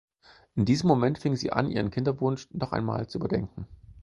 In diesem Moment fing sie an ihren Kinderwunsch noch einmal zu überdenken.